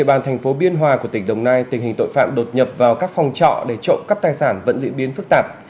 địa bàn thành phố biên hòa của tỉnh đồng nai tình hình tội phạm đột nhập vào các phòng trọ để trộm cắp tài sản vẫn diễn biến phức tạp